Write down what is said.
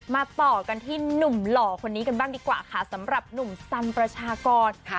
มาต่อกันที่หนุ่มหล่อคนนี้กันบ้างดีกว่าค่ะสำหรับหนุ่มสันประชากร